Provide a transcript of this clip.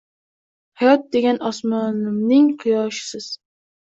Hayot degan osmonimning quyoshisiz